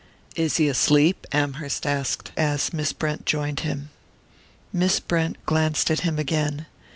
"Is he asleep?" Amherst asked, as Miss Brent joined him. Miss Brent glanced at him again.